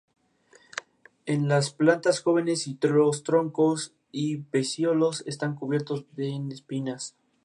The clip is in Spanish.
En las plantas jóvenes, los troncos y pecíolos están cubiertos en espinas.